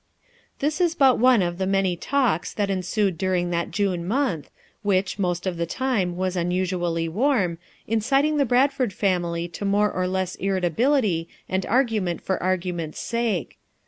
This is but one of the many talks that en sued during that June month, which, most of the time was unusually warm, inciting the Bradford family to more or less irritability and argument for argument's sake.